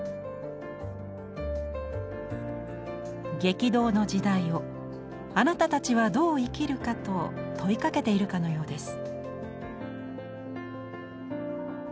「激動の時代をあなたたちはどう生きるか」と問いかけているかのようです。